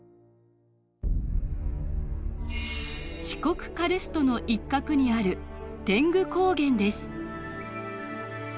四国カルストの一角にある天狗高原です。